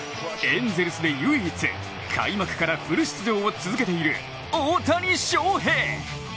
エンゼルスで唯一開幕からフル出場を続けている大谷翔平。